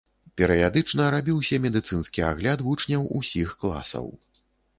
Перыядычна рабіўся медыцынскі агляд вучняў усіх класаў.